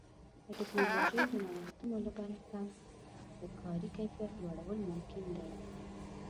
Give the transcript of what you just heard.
د ټکنالوژۍ د نوښتونو له برکه د کاري کیفیت لوړول ممکن دي.